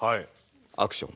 アクション。